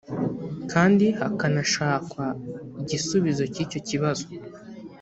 kandi hakanashakwa igisubizo cy’icyo kibazo